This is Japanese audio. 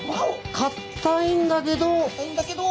かたいんだけど。